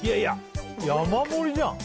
山盛りじゃん